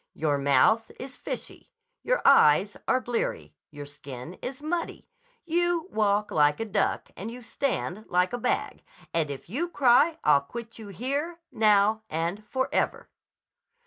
"Your mouth is fishy. Your eyes are bleary. Your skin is muddy. You walk like a duck, and you stand like a bag. And if you cry I'll quit you here, now, and forever."